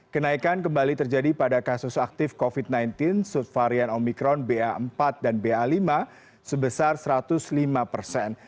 kenaikan kembali terjadi pada kasus aktif covid sembilan belas subvarian omikron ba empat dan ba lima sebesar satu ratus lima persen